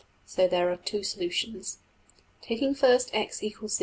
So there are two solutions. Taking first $x = 0$.